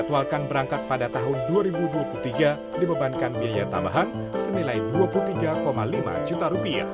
jadwalkan berangkat pada tahun dua ribu dua puluh tiga dibebankan biaya tambahan senilai rp dua puluh tiga lima juta